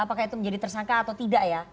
apakah itu menjadi tersangka atau tidak ya